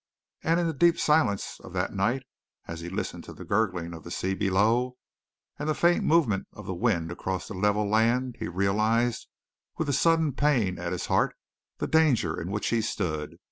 And in the deep silence of that night, as he listened to the gurgling of the sea below, and the faint movement of the wind across the level land, he realized, with a sudden pain at his heart, the danger in which he stood.